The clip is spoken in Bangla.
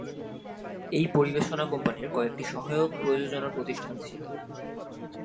এই পরিবেশনা কোম্পানির কয়েকটি সহায়ক প্রযোজনা প্রতিষ্ঠান ছিল।